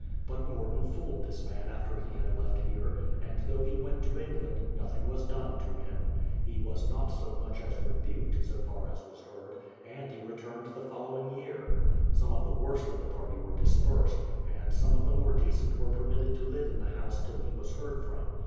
But JMorton fooled this man after he had left here, and though he went to England, nothing was done to him, — he was not so much as rebuked, so far as was heard, — and he returned the following year. Some THE PLYMOUTH SETTLEMENT 199 of the worst of the party were dispersed, and some of the more decent were permitted to live in the house till he was heard from.